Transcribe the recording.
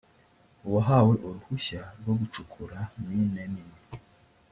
uwahawe uruhushya rwo gucukura mine nini